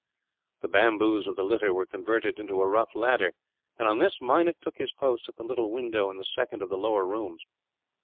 The bamboos of the litter were converted into a rough ladder and, on this, Meinik took his post at the little window in the second of the lower rooms.